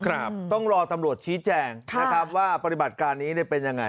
ครับต้องรอตำรวจชี้แจงครับว่าปฏิบัติการนี้ได้เป็น